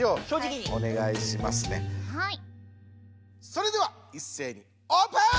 それではいっせいにオープン！